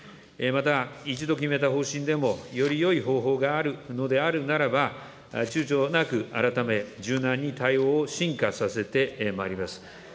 また、一度決めた方針でも、よりよい方法があるのであるならば、ちゅうちょなく改め、柔軟に対応を進化させてまいります。